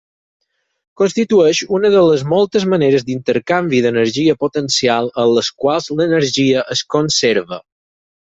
Constitueix una de les moltes maneres d'intercanvi d'energia potencial en les quals l'energia es conserva.